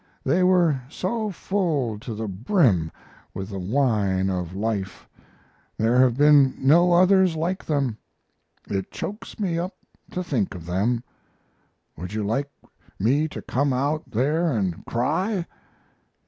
They were so full to the brim with the wine of life; there have been no others like them. It chokes me up to think of them. Would you like me to come out there and cry?